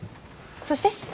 そうして。